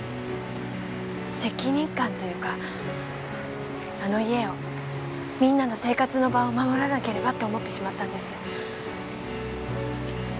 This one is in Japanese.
責任感というかあの家をみんなの生活の場を守らなければって思ってしまったんです。